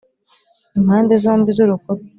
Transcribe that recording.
Impande zombi z urukuta